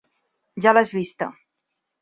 Ja l'has vista.